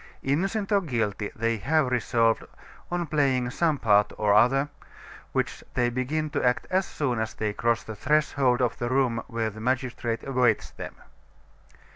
Innocent or guilty, they have resolved, on playing some part or other, which they begin to act as soon as they cross the threshold of the room where the magistrate awaits them.